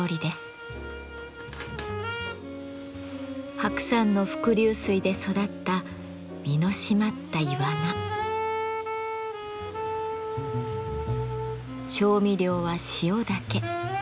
白山の伏流水で育った身の締まった調味料は塩だけ。